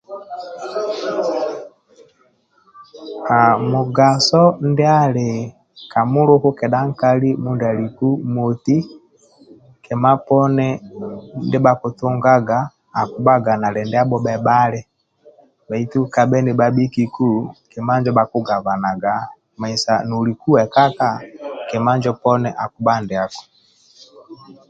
Haaa mugaso ndia ali ka muluku kedha nkali mindia aliku moti akibhaga eti kima uponi ndia bhakitunga bhakigabaniaga bhaitu noliku wekaka kima injo poni akibha ndiako